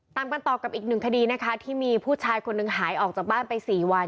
ตามกันต่อกับอีกหนึ่งคดีนะคะที่มีผู้ชายคนหนึ่งหายออกจากบ้านไป๔วัน